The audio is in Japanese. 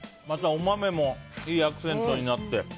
また、お豆もいいアクセントになって。